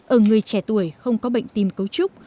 ở người trẻ tuổi không có bệnh tim cấu trúc